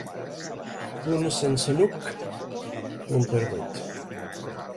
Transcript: Punt sense nuc, punt perdut.